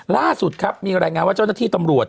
ล่าสุดครับมีรายงานว่าเจ้าหน้าที่ตำรวจ